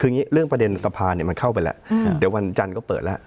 คืออย่างนี้เรื่องประเด็นสะพานมันเข้าไปแล้วเดี๋ยววันจันทร์ก็เปิดแล้ว